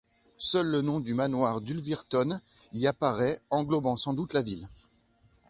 Seul le nom du manoir d’Ulvirtone y apparaît, englobant sans doute la ville.